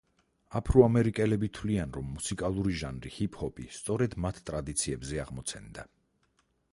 აფრო-ამერიკელები თვლიან, რომ მუსიკალური ჟანრი, ჰიპ-ჰოპი სწორედ მათ ტრადიციებზე აღმოცენდა.